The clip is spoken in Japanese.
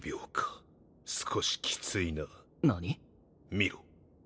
見ろ。